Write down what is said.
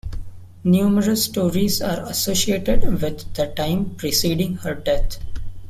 Numerous stories are associated with the time preceding her death.